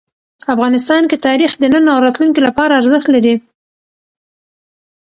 افغانستان کې تاریخ د نن او راتلونکي لپاره ارزښت لري.